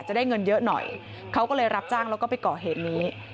จะได้เงินเยอะหน่อยเขาก็เลยรับจ้างแล้วก็ไปก่อเหตุนี้